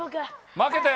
負けたよ。